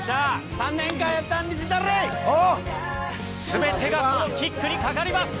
全てがこのキックにかかります。